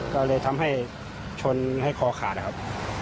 ก็เลยทำให้ชนให้คอขาดนะครับ